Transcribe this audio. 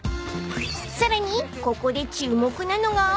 ［さらにここで注目なのが］